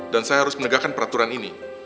dan saya harus menegakkan peraturan ini